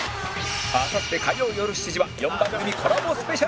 あさって火曜よる７時は『４番組コラボ ＳＰ』